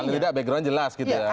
paling tidak background jelas gitu ya